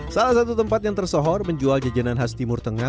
salah satu tempat yang tersohor menjual jajanan khas timur tengah